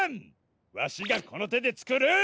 ワシがこのてでつくる！